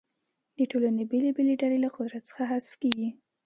د ټولنې بېلابېلې ډلې له قدرت څخه حذف کیږي.